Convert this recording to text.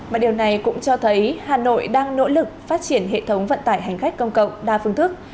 và điều này cũng cho thấy hà nội đang nỗ lực phát triển hệ thống vận tải hành khách công cộng đa phương thức